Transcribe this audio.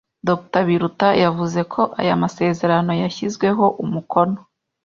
Dr Biruta yavuze ko aya masezerano yashyizweho umukono